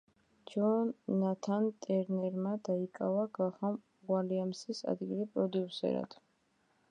ჯონ ნათან ტერნერმა დაიკავა გრაჰამ უილიამსის ადგილი პროდიუსერად.